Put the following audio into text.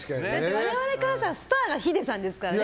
我々からしたらスターがヒデさんですからね。